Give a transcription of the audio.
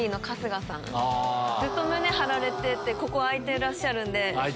ずっと胸張られててここ開いてらっしゃるんで。